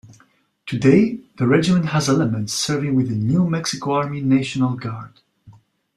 Today the regiment has elements serving with the New Mexico Army National Guard.